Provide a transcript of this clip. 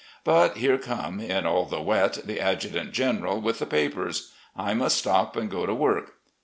But here come, in all the wet, the adjutants general with the papers. I must stop and go to work.